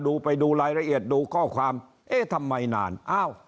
ไปดูไปดูรายละเอียดดูข้อความเอ๊ะทำไมนานอ้าว